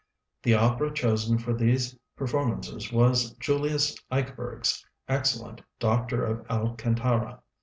The opera chosen for these performances was Julius Eichberg's excellent "Doctor of Alcantara."